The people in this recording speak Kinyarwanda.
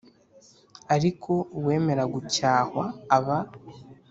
ariko uwemera gucyahwa aba